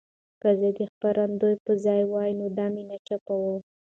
که زه د خپرندوی په ځای وای نو دا مې نه چاپوه.